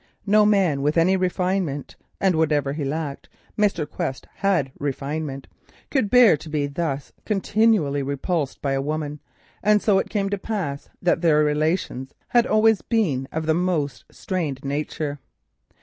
No man with any refinement—and whatever he lacked Mr. Quest had refinement—could bear to be thus continually repulsed by a woman, and so it came to pass that their intercourse had always been of the most strained nature.